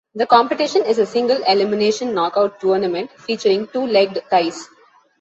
The competition is a single elimination knockout tournament featuring two-legged ties.